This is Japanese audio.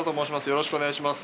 よろしくお願いします。